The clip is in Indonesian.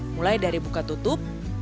mulai dari buka tutup